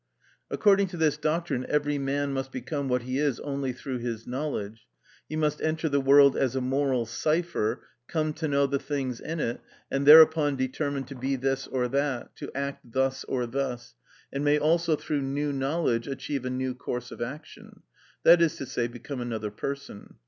According to this doctrine every man must become what he is only through his knowledge; he must enter the world as a moral cipher come to know the things in it, and thereupon determine to be this or that, to act thus or thus, and may also through new knowledge achieve a new course of action, that is to say, become another person.